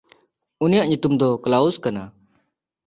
ᱩᱱᱤᱭᱟᱜ ᱧᱩᱛᱩᱢ ᱫᱚ ᱠᱞᱟᱩᱥ ᱠᱟᱱᱟ᱾